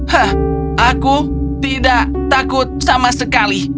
hah aku tidak takut sama sekali